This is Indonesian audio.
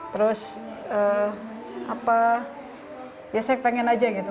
terus apa ya saya pengen aja gitu